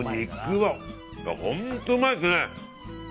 本当、うまいですね。